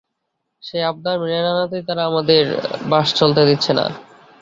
সেই আবদার মেনে না নেওয়াতেই তারা আমাদের বাস চলতে দিচ্ছে না।